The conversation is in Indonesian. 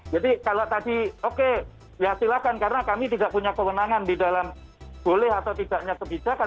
jadi kalau tadi oke ya silahkan karena kami tidak punya kewenangan di dalam boleh atau tidaknya kebijakan